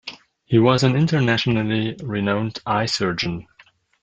He was an internationally renowned eye surgeon.